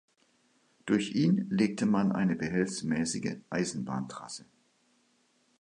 Durch ihn legte man eine behelfsmäßige Eisenbahntrasse.